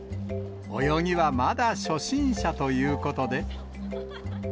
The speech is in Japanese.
泳ぎはまだ初心者ということで。